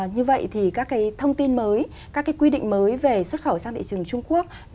như vậy thì các cái thông tin mới các quy định mới về xuất khẩu sang thị trường trung quốc